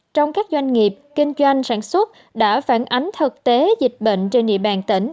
trong các doanh nghiệp kinh doanh sản xuất đã phản ánh thực tế dịch bệnh trên địa bàn tỉnh